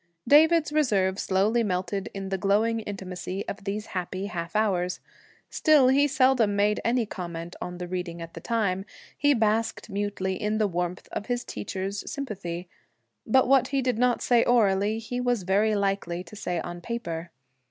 David's reserve slowly melted in the glowing intimacy of these happy half hours; still, he seldom made any comment on the reading at the time; he basked mutely in the warmth of his teacher's sympathy. But what he did not say orally he was very likely to say on paper.